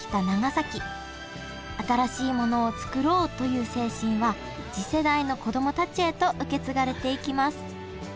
新しいものを作ろうという精神は次世代の子供たちへと受け継がれていきます